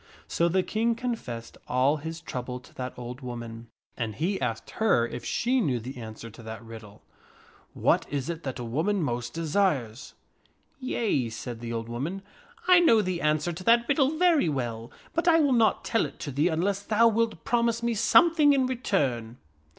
So the King confessed all his trouble to that old woman, and he asked her if she knew the answer to that riddle, " What is it that a woman most desires ?" 44 Yea," said the old woman, " I know the answer to that riddle very well, but I will not tell it to thee unless thou wilt promise me something in return."